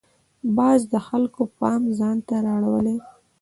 باز د خلکو پام ځان ته را اړوي